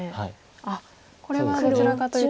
あっこれはどちらかというと。